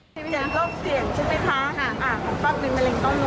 เจ็บโรคเสี่ยงใช่ไหมคะ